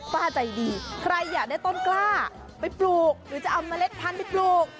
ป้าใจดีใครอยากได้ต้นกล้าไปปลูกหรือจะเอาเมล็ดพันธุ์ไปปลูก